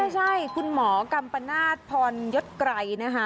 ใช่คุณหมอกัมปนาศพรยศไกรนะคะ